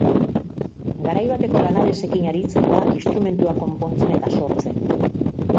Garai bateko lanabesekin aritzen da instrumentuak konpontzen eta sortzen.